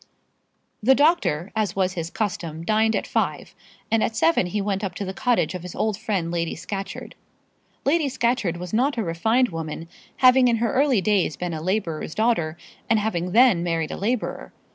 The doctor, as was his custom, dined at five, and at seven he went up to the cottage of his old friend Lady Scatcherd. Lady Scatcherd was not a refined woman, having in her early days been a labourer's daughter and having then married a labourer.